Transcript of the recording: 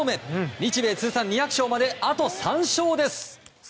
日米通算２００勝まであと３勝です。